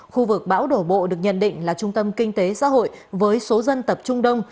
khu vực bão đổ bộ được nhận định là trung tâm kinh tế xã hội với số dân tập trung đông